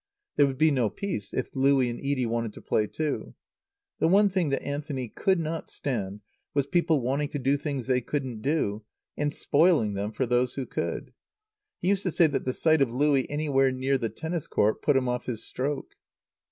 There would be no peace if Louie and Edie wanted to play too. The one thing that Anthony could not stand was people wanting to do things they couldn't do, and spoiling them for those who could. He used to say that the sight of Louie anywhere near the tennis court put him off his stroke.